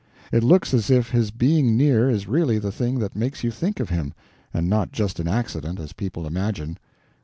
It looks as if his being near is really the thing that makes you think of him, and not just an accident, as people imagine.